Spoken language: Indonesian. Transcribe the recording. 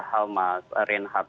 halma reinhardt dan soekarno